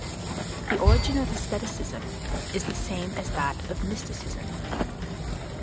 The origin of aestheticism is the same as that of mysticism.